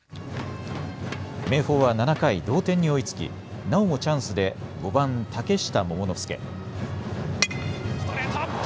明豊は７回同点に追いつきなおもチャンスで５番・嶽下桃之介。